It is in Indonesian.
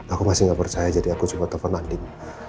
aku masih gak percaya jadi aku cuma telepon nanding